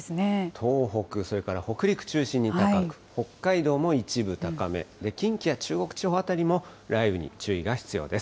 東北、それから北陸中心に高く、北海道も一部高め、近畿や中国地方辺りも雷雨に注意が必要です。